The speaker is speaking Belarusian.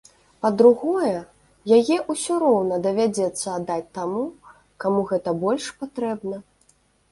Па-другое, яе ўсё роўна давядзецца аддаць таму, каму гэта больш патрэбна.